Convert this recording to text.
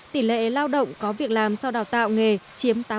tỷ lệ lao động có việc làm sau đào tạo nghề chiếm tám mươi